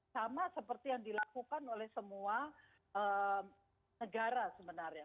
sama seperti yang dilakukan oleh semua negara sebenarnya